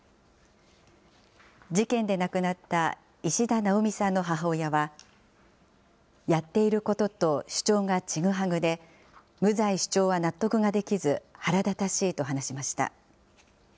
事件で亡くなった石田奈央美さんの母親は、やっていることと主張がちぐはぐで、無罪主張は納得ができず腹立たしいと話しました。